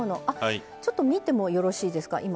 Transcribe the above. あっちょっと見てもよろしいですか。